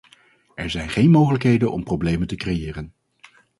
Er zijn geen mogelijkheden om problemen te creëren.